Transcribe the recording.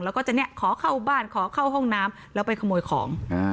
แล้วก็จะเนี่ยขอเข้าบ้านขอเข้าห้องน้ำแล้วไปขโมยของ